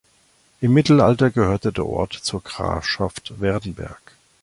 Im Mittelalter gehörte der Ort zur Grafschaft Werdenberg.